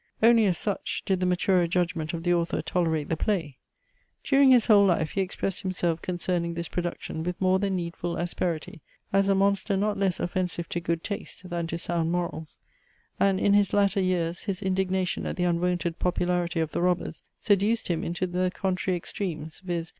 Only as such, did the maturer judgment of the author tolerate the Play. During his whole life he expressed himself concerning this production with more than needful asperity, as a monster not less offensive to good taste, than to sound morals; and, in his latter years, his indignation at the unwonted popularity of the ROBBERS seduced him into the contrary extremes, viz.